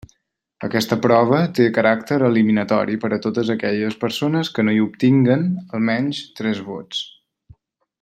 Aquesta prova té caràcter eliminatori per a totes aquelles persones que no hi obtinguen, almenys, tres vots.